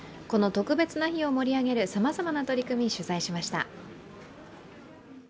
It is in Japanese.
この特別な日を盛り上げる、さまざまな取り組み、取材しました。